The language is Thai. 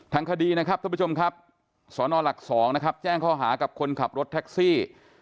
ทางคดีนะครับท่านผู้ชมครับสนหลัก๒นะครับแจ้งข้อหากับคนขับรถแท็กซี่